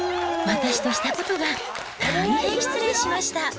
私としたことが、大変失礼しました。